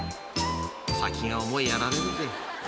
［先が思いやられるぜ］